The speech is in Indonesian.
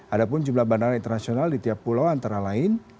ada pun jumlah bandara internasional di tiap pulau antara lain